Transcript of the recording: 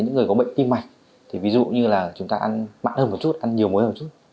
những người có bệnh tim mạch thì ví dụ như là chúng ta ăn mặn hơn một chút ăn nhiều muối hơn một chút